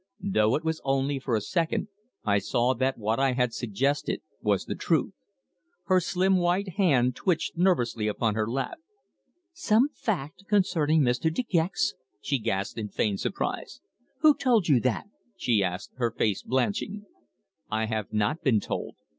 Though it was only for a second I saw that what I had suggested was the truth. Her slim white hand twitched nervously upon her lap. "Some fact concerning Mr. De Gex!" she gasped in feigned surprise. "Who told you that!" she asked, her face blanching. "I have not been told.